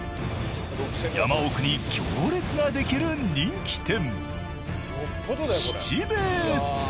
山奥に行列ができる人気店。